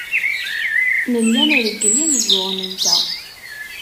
Nella nreggel imeẓẓuɣen-nteɣ.